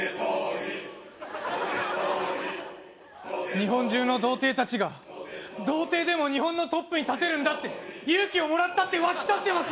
日本中の童貞達が童貞でも日本のトップに立てるんだって勇気をもらったって沸き立ってます